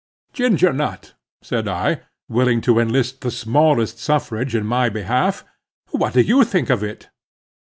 "Ginger Nut," said I, willing to enlist the smallest suffrage in my behalf, "what do you think of it?"